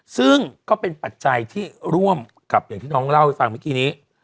ซึ่งก็เป็นปัจจัยที่ร่วมกับอย่างที่น้องเล่าให้ฟังเมื่อกี้นี้